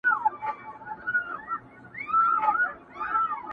له سرو خولیو لاندي اوس سرونو سور واخیست.